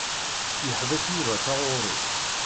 Yeḥbes Yuba taɣuri.